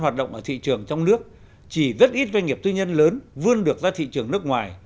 hoạt động ở thị trường trong nước chỉ rất ít doanh nghiệp tư nhân lớn vươn được ra thị trường nước ngoài